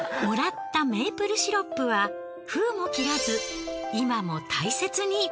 もらったメープルシロップは封も切らず今も大切に。